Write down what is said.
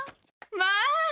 まあ！